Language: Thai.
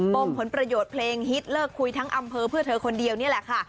มงผลประโยชน์เพลงฮิตเลิกคุยทั้งอำเภอเพื่อเธอคนเดียวนี่แหละค่ะ